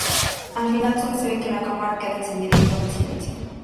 Al final, sólo se ve que la cámara queda encendida y todo en silencio.